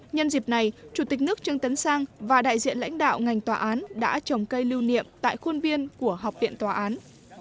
nhân dịp này chủ tịch nước trương tấn sang và đại diện lãnh đạo ngành tòa án đã trồng cây lưu niệm tại khuôn viên của học viện tòa án